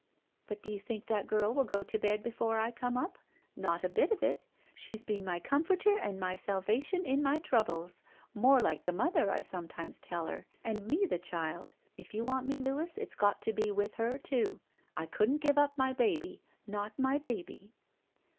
*'But do you think that girl will go to bed before I come up ? Not a bit of it. She's been my comforter and my salvation in my troubles. More like the mother, I sometimes tell her, and me the child. K you want me, Lotiis, it's got to be with her, too. I couldn't give up my baby — ^not my baby."